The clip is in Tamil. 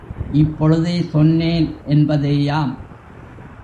இப்பொழுதே சொன்னேன்! என்பதேயாம்.